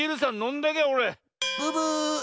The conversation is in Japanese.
ブブーッ！